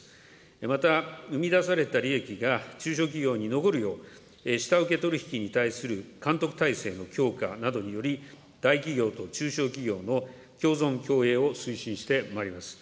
また、生み出された利益が中小企業に残るよう、下請け取り引きに対する監督体制の強化などにより、大企業と中小企業の共存共栄を推進してまいります。